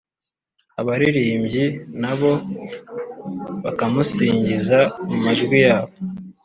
Abaririmbyi na bo bakamusingiza mu majwi yabo,